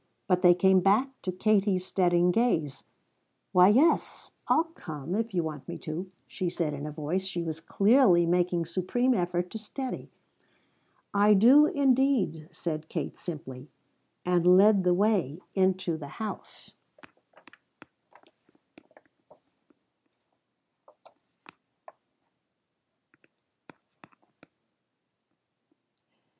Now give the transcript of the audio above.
But they came back to Katie's steadying gaze. "Why yes I'll come if you want me to," she said in voice she was clearly making supreme effort to steady. "I do indeed," said Kate simply and led the way into the house.